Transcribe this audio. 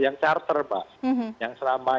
yang charter pak yang selama